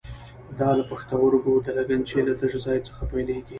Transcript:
دا له پښتورګو د لګنچې له تش ځای څخه پیلېږي.